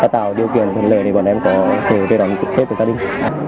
thân lời thì bọn em có thể về đoàn tết với gia đình